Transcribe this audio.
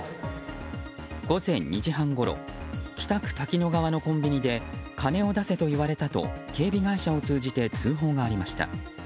午前２時半ごろ北区滝野川のコンビニで金を出せと言われたと警備会社を通じて通報がありました。